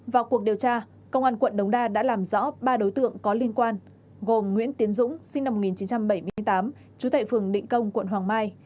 vào cuộc điều tra công an quận đống đa đã làm rõ ba đối tượng có liên quan gồm nguyễn tiến dũng sinh năm một nghìn chín trăm bảy mươi tám trú tại phường định công quận hoàng mai